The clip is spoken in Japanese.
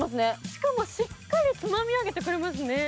しかも、しっかりつまみ上げてくれますね。